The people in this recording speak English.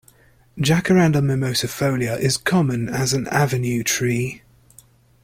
"Jacaranda mimosifolia" is common as an avenue tree.